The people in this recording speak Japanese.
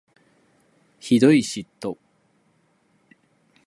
醜い嫉妬